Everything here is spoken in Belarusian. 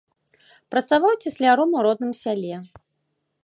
Працаваў цесляром у родным сяле.